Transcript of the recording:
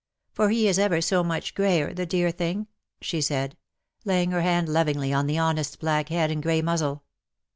For he is ever so much greyer, the dear thing/' she said, laying her hand lovingly on the honest black head and grey muzzle.